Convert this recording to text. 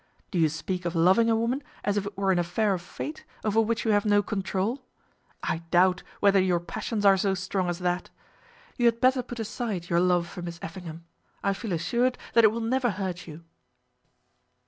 Do you speak of loving a woman as if it were an affair of fate, over which you have no control? I doubt whether your passions are so strong as that. You had better put aside your love for Miss Effingham. I feel assured that it will never hurt you."